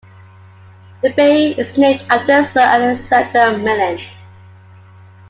The bay is named after Sir Alexander Milne.